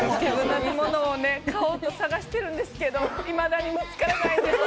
同じものを買おうと探しているんですけどいまだに見つからないんです。